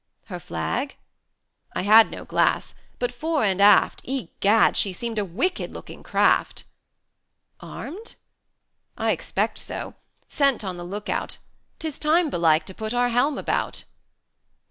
"Her flag?" "I had no glass: but fore and aft, Egad! she seemed a wicked looking craft." "Armed?" "I expect so; sent on the look out: 'Tis time, belike, to put our helm about."